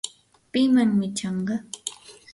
¿pimanmi chanqa?